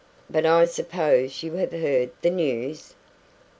"But I suppose you have heard the news.